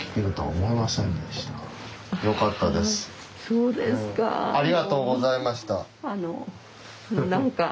そうですか。